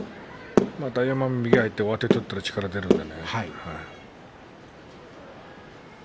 大奄美は右が入って上手を取ったら力が出るんで。